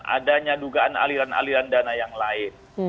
adanya dugaan aliran aliran dana yang lain